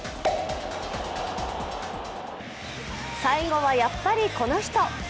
最後はやっぱりこの人。